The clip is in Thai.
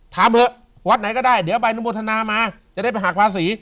เถอะวัดไหนก็ได้เดี๋ยวใบอนุโมทนามาจะได้ไปหักภาษี